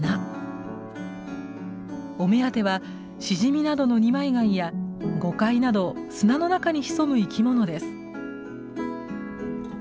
お目当てはシジミなどの二枚貝やゴカイなど砂の中に潜む生き物です。